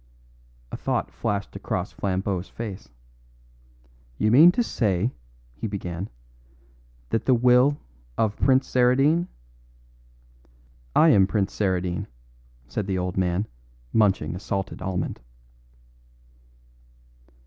A thought flashed across Flambeau's face. "You mean to say," he began, "that the will of Prince Saradine " "I am Prince Saradine," said the old man, munching a salted almond.